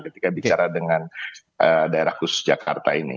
ketika bicara dengan daerah khusus jakarta ini